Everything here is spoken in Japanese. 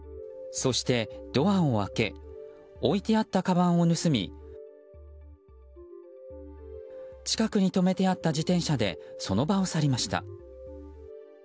そして、ドアを開け置いてあったかばんを盗み近くに止めてあった自転車でその場を去りました。